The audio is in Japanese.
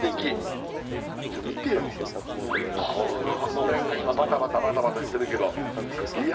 見てよこののれんが今バタバタバタバタしてるけどいや